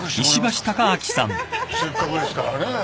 せっかくですからね。